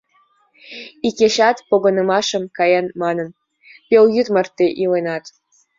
Икечат, погынымашыш каем манын, пелйӱд марте иленат...